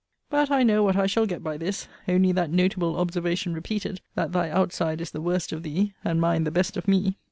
But I know what I shall get by this only that notable observation repeated, That thy outside is the worst of thee, and mine the best of me.